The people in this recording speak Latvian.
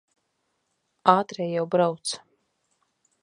Ātrie jau brauc.